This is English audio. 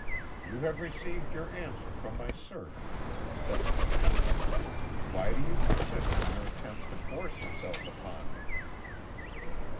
"'You have received your answer from my servant,' said my master. 'Why do you persist in your attempts to force yourself upon me?'